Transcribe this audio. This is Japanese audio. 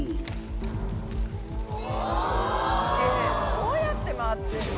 どうやって回ってるの？